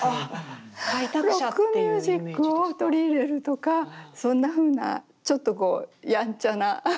ロックミュージックを取り入れるとかそんなふうなちょっとこうやんちゃなところのある。